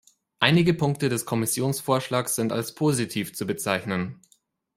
Einige Punkte des Kommissionsvorschlags sind als positiv zu bezeichnen.